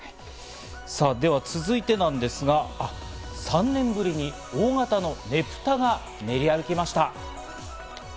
では続いてなんですが、３年ぶりに大型のねぷたが練り歩きました。